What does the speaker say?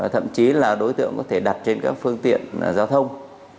thậm chí là đối tượng có thể đặt trên các phương tiện giao thông